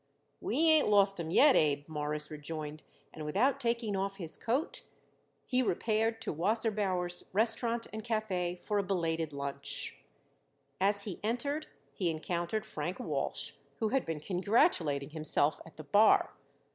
"We ain't lost 'em yet, Abe," Morris rejoined, and without taking off his coat he repaired to Wasserbauer's Restaurant and Café for a belated lunch. As he entered he encountered Frank Walsh, who had been congratulating himself at the bar.